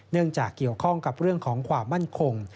จากเกี่ยวข้องกับเรื่องของความมั่นคง